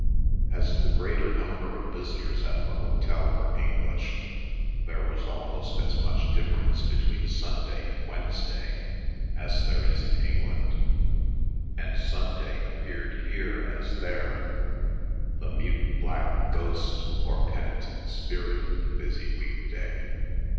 As the greater number of visitors at the hotel were English, there was almost as much difference between Sunday and Wednesday as there is in England, and Sunday appeared here as there, the mute black ghost or penitent spirit of the busy weekday.